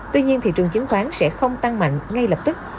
tuy nhiên thị trường chứng khoán sẽ không tăng mạnh ngay lập tức